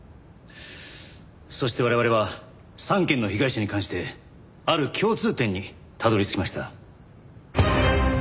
そして我々は３件の被害者に関してある共通点にたどり着きました。